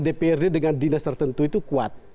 dprd dengan dinas tertentu itu kuat